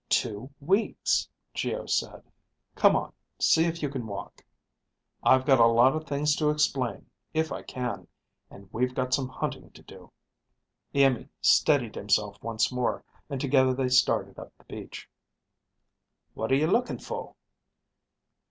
"Over two weeks," Geo said. "Come on, see if you can walk. I've got a lot of things to explain, if I can, and we've got some hunting to do." Iimmi steadied himself once more, and together they started up the beach. "What are you looking for?"